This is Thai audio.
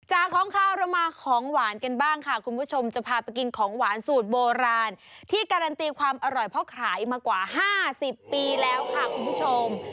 ของข้าวเรามาของหวานกันบ้างค่ะคุณผู้ชมจะพาไปกินของหวานสูตรโบราณที่การันตีความอร่อยเพราะขายมากว่า๕๐ปีแล้วค่ะคุณผู้ชม